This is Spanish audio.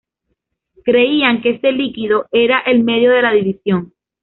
Creían que este líquido era el medio de la visión.